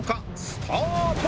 スタート！